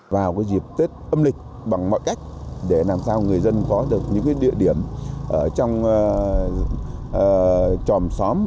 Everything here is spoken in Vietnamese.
vào dịp tết âm lịch bằng mọi cách để làm sao người dân có được những địa điểm trong tròm xóm